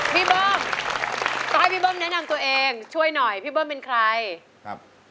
พี่เบิร์มต้องให้พี่เบิร์มแนะนำตัวเองช่วยหน่อยพี่เบิร์มเป็นใคร